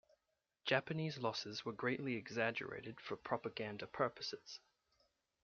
Japanese losses were greatly exaggerated for propaganda purposes.